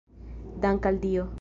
Dank' al Dio!